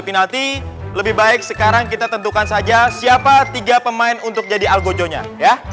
penalti lebih baik sekarang kita tentukan saja siapa tiga pemain untuk jadi algojonya ya